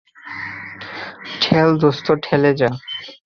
ঠেল দোস্ত, ঠেলে যা।